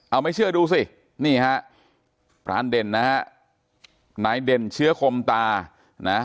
เอาไม่เชื่อดูสินี่ฮะพรานเด่นนะฮะนายเด่นเชื้อคมตานะ